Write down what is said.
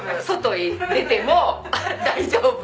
外へ出ても大丈夫。